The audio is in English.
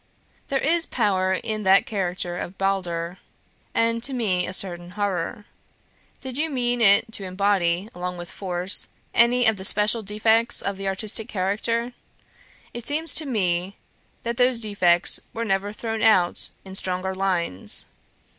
"There is power in that character of 'Balder,' and to me a certain horror. Did you mean it to embody, along with force, any of the special defects of the artistic character? It seems to me that those defects were never thrown out in stronger lines.